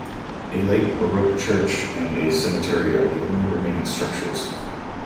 A late baroque church and a cemetery are the only remaining structures.